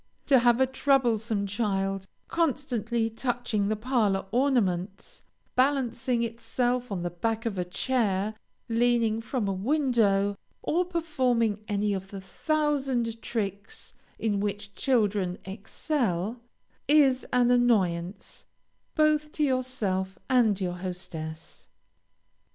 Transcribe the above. To have a troublesome child constantly touching the parlor ornaments, balancing itself on the back of a chair, leaning from a window, or performing any of the thousand tricks in which children excel, is an annoyance, both to yourself and your hostess.